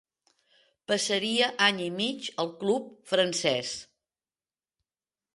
Passaria any i mig al club francés.